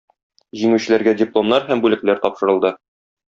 Җиңүчеләргә дипломнар һәм бүләкләр тапшырылды.